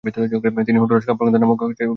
তিনি হন্ডুরাস কাব্যগ্রন্থ প্রকাশক প্রথম নারী।